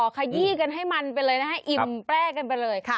ขยี้กันให้มันไปเลยนะคะอิ่มแป้กันไปเลย